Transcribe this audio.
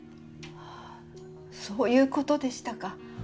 あぁそういうことでしたか。